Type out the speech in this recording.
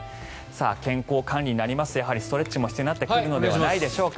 健康管理になりますとストレッチも必要になるのではないでしょうか。